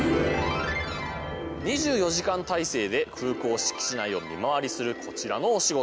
２４時間体制で空港敷地内を見回りするこちらのお仕事。